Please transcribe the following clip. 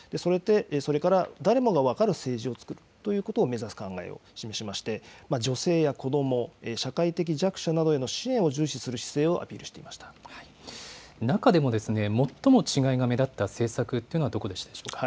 それから、誰もが分かる政治をつくるということを目指す考えを示しまして、女性や子ども、社会的弱者などへの支援を重視する姿勢をアピール中でも、最も違いが目立った政策というのは、どこでしたでしょうか？